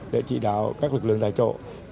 để chỉ đạo các lực lượng tại chỗ